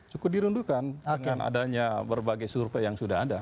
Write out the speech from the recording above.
cukup dirindukan dengan adanya berbagai survei yang sudah ada